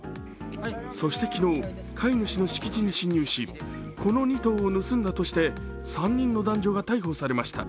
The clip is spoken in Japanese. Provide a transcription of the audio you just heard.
そして昨日、飼い主の敷地に侵入しこの２頭を盗んだとして３人の男女が逮捕されました。